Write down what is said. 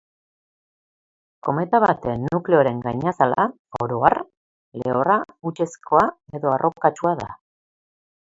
Kometa baten nukleoaren gainazala, oro har, lehorra, hautsezkoa edo arrokatsua da.